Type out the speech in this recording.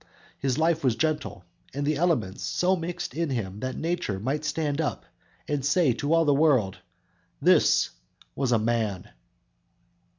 His life was gentle, and the elements So mixed in him that Nature might stand up, And say to all the world, This was a man!"